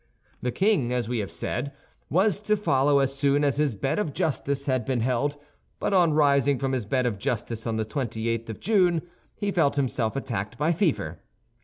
The king, as we have said, was to follow as soon as his Bed of Justice had been held; but on rising from his Bed of Justice on the twenty eighth of June, he felt himself attacked by fever.